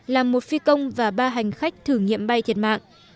làm một phi công và ba hành khách thử nghiệm bay thiệt mạng